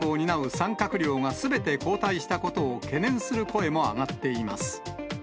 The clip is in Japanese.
３閣僚がすべて交代したことを懸念する声も上がっています。